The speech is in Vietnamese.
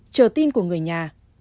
chờ tin của người nhà